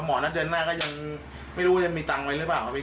เดือนหน้าก็ยังไม่รู้ว่าจะมีตังค์ไว้หรือเปล่าครับพี่